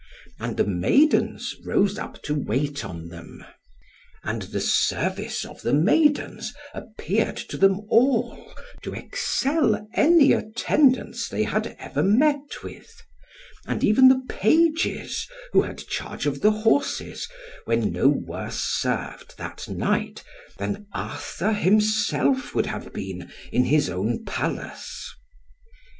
And the maidens rose up to wait on them. And the service of the maidens appeared to them all to excel any attendance they had ever met with; and even the pages who had charge of the horses, were no worse served, that night, than Arthur himself would have been, in his own Palace.